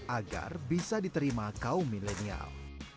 agar bisa diterima kaum milenial